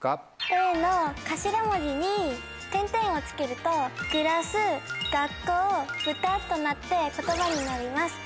Ａの頭文字に点々をつけると。となって言葉になります。